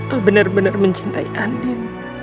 oh benar benar mencintai andin